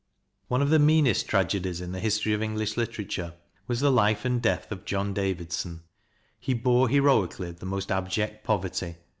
One of the meanest tragedies in the history of English literature was the life and death of John Davidson. He bore heroically the most abject poverty.